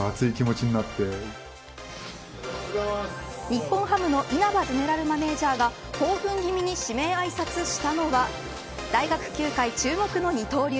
日本ハムの稲葉ゼネラルマネジャーが興奮気味に指名あいさつしたのは大学球界注目の二刀流